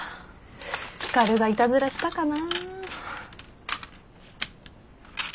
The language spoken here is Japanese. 光がいたずらしたかな？